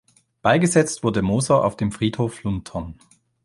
Beigesetzt wurde Moser auf dem Friedhof Fluntern.